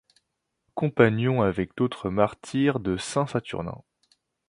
Compagnon avec d'autres martyrs de saint Saturnin.